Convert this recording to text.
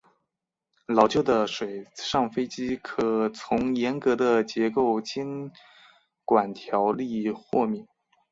老旧的水上飞机可从严格的结构监管条例豁免。